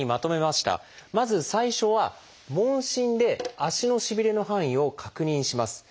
まず最初は「問診」で足のしびれの範囲を確認します。